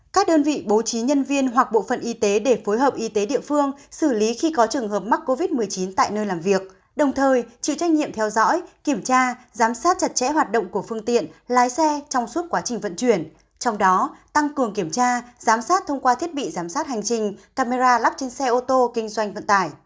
các đơn vị bố trí nhân viên hoặc bộ phận y tế để phối hợp y tế địa phương xử lý khi có trường hợp mắc covid một mươi chín tại nơi làm việc đồng thời chịu trách nhiệm theo dõi kiểm tra giám sát chặt chẽ hoạt động của phương tiện lái xe trong suốt quá trình vận chuyển trong đó tăng cường kiểm tra giám sát thông qua thiết bị giám sát hành trình camera lắp trên xe ô tô kinh doanh vận tải